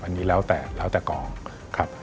อันนี้แล้วแต่กองครับ